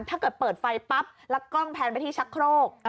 ถ้าเกิดเปิดไฟปั๊บแล้วกล้องแพนไปที่ชักโครก